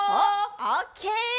オッケー！